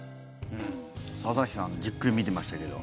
朝日さんじっくり見てましたけど。